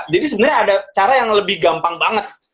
jadi sebenernya ada cara yang lebih gampang banget